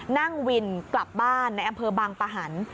นั่งวินกลับบ้านในอำเภอบางปะหัน